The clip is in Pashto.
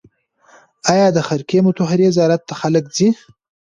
آیا د خرقه مطهره زیارت ته خلک ځي؟